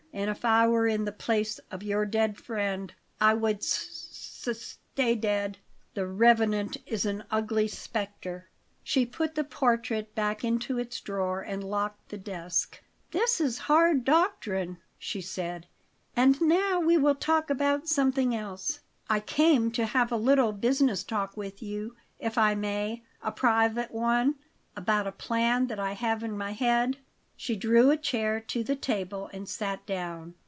And if I were in the place of your dead friend, I would s s stay dead. The REVENANT is an ugly spectre." She put the portrait back into its drawer and locked the desk. "That is hard doctrine," she said. "And now we will talk about something else." "I came to have a little business talk with you, if I may a private one, about a plan that I have in my head." She drew a chair to the table and sat down.